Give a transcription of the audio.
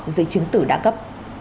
giới chứng tử đã cấp